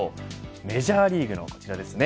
メジャーリーグのこちらですね。